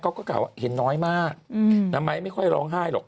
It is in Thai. กล่าวว่าเห็นน้อยมากแต่ไม้ไม่ค่อยร้องไห้หรอก